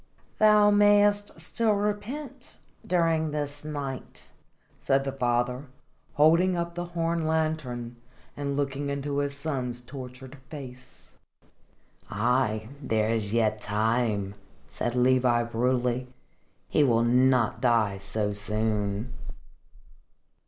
"Thou mayest still repent during this night," said the father, holding up the horn lantern and looking into his son's tortured face. "Ay there is yet time," said Levi, brutally. "He will not die so soon."